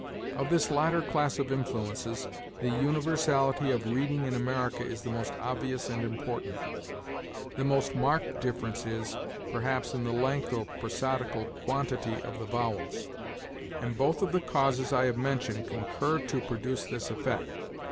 Of this latter class of influences, the universality of reading in America is the most obvious and important. The most marked difference is, perhaps, in the length or prosodical quantity of the vowels; and both of the causes I have mentioned concur to produce this effect.